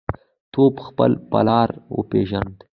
تواب خپل پلار وپېژند.